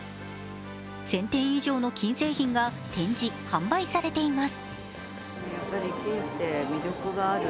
１０００点以上の金製品が展示・販売されています。